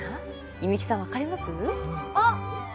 弓木さんわかります？